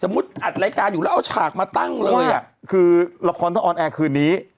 อัดรายการอยู่แล้วเอาฉากมาตั้งเลยอ่ะคือละครต้องออนแอร์คืนนี้